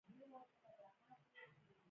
مېوې د افغانستان د اقلیم ځانګړتیا ده.